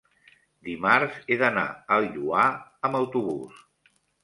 dimarts he d'anar al Lloar amb autobús.